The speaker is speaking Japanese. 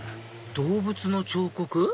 動物の彫刻？